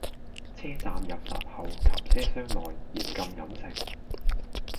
車站入閘後及車廂內，嚴禁飲食